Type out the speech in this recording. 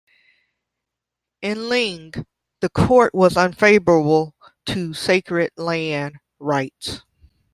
In "Lyng", the Court was unfavorable to sacred land rights.